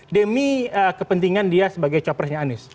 demi kepentingan dia sebagai capresnya anies